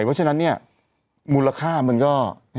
เพราะฉะนั้นเนี่ยมูลค่ามันก็